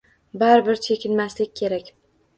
Baribir chekinmaslik kerak.